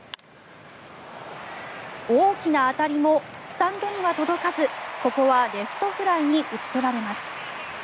大きな当たりもスタンドには届かずここはレフトフライに打ち取られます。